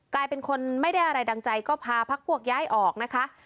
กลายเป็นคนไม่ได้อะไรดังใจก็พาพักพวกย้ายออกนะคะ